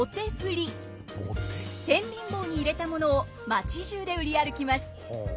天秤棒に入れたものを町じゅうで売り歩きます！